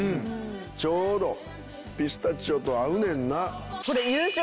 ちょうどピスタチオと合うねんな。